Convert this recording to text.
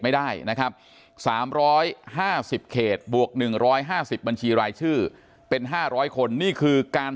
ไม่ได้นะครับ๓๕๐เขตบวก๑๕๐บัญชีรายชื่อเป็น๕๐๐คนนี่คือการ